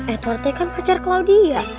edwardnya kan pacar claudia